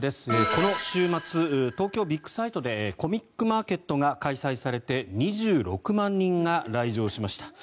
この週末、東京ビッグサイトでコミックマーケットが開催されて２６万人が来場しました。